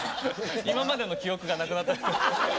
今までの記憶がなくなった。